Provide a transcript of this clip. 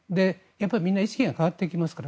みんな意識が変わっていきますから。